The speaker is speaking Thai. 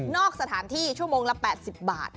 สถานที่ชั่วโมงละ๘๐บาท